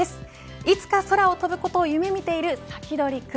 いつか、空を飛ぶことを夢見ているサキドリくん